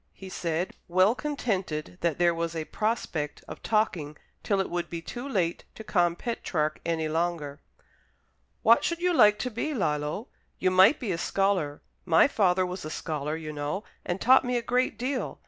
he said, well contented that there was a prospect of talking till it would be too late to con Petrarch any longer. "What should you like to be, Lillo? You might be a scholar. My father was a scholar, you know, and taught me a great deal.